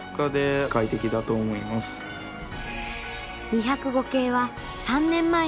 ２０５系は３年前に引退。